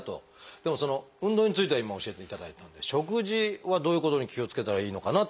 でも運動については今教えていただいたんで食事はどういうことに気をつけたらいいのかなっていうことですが。